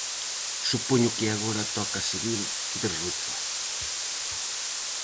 Supoño que agora toca seguir de ruta.